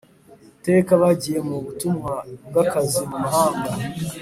teka bagiye mu butumwa bw akazi mu mahanga